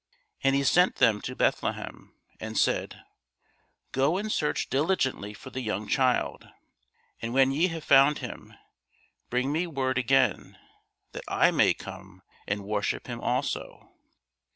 And he sent them to Bethlehem, and said, Go and search diligently for the young child; and when ye have found him, bring me word again, that I may come and worship him also.